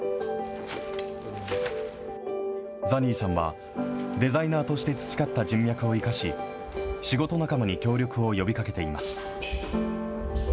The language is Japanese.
ザニーさんは、デザイナーとして培った人脈を生かし、仕事仲間に協力を呼びかけています。